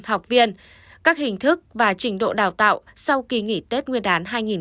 học viên các hình thức và trình độ đào tạo sau kỳ nghỉ tết nguyên đán hai nghìn hai mươi